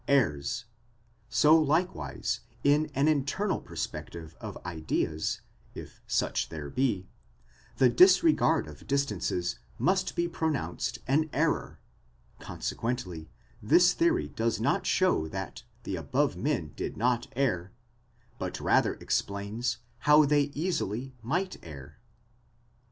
errs: so likewise in an internal perspective of ideas, if such there be, the disregard of distances must be pronounced an error; con sequently this theory does not show that the above men did not err, but rather explains how they easily might err.